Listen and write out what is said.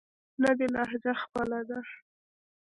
نه دې لهجه خپله ده.